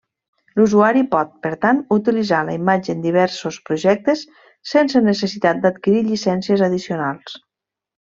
L'usuari pot, per tant, utilitzar la imatge en diversos projectes sense necessitat d'adquirir llicències addicionals.